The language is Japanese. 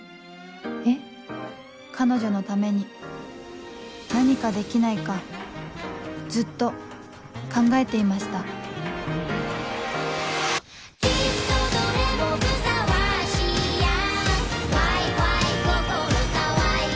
え彼女のために何かできないかずっと考えていましたすいません。